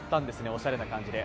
おしゃれな感じで。